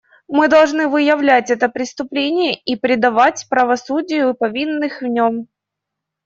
Мы должны выявлять это преступление и предавать правосудию повинных в нем.